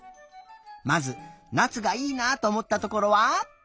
まずなつがいいなとおもったところは？